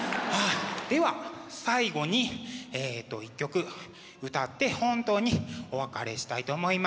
では最後に１曲歌って本当にお別れしたいと思います。